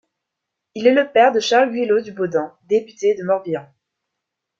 Il est le père de Charles Guillo du Bodan, député du Morbihan.